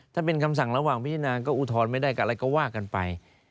ถ้าเป็นคำสั่งระหว่างพิจารณาก็อุทธรณ์ไม่ได้กับอะไรก็ว่ากันไป